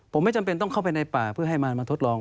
ผมไม่จำเป็นต้องเข้าไปในป่าเพื่อให้มาทดลอง